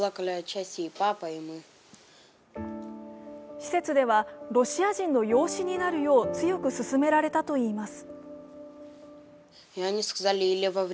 施設ではロシア人の養子になるよう、強く勧められたといいます。